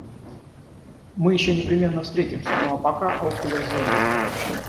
Мы ещё непременно встретимся, ну а пока, ауфидерзейн!